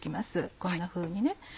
こんなふうにね。